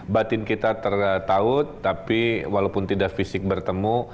batin kita tertaut tapi walaupun tidak fisik bertemu